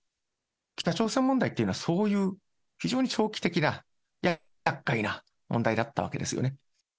北朝鮮問題っていうのは、そういう、非常に長期的な、やっかいな問題だったわけですよね。